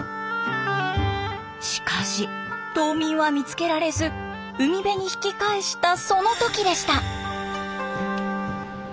しかし島民は見つけられず海辺に引き返したその時でした！